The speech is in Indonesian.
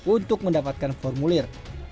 untuk mendapatkan formulir